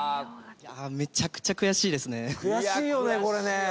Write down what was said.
めちゃくちゃ悔しいですね。